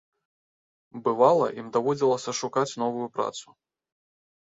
Бывала, ім даводзілася шукаць новую працу.